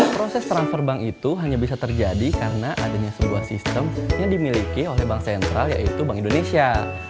proses transfer bank itu hanya bisa terjadi karena adanya sebuah sistem yang dimiliki oleh bank sentral yaitu bank indonesia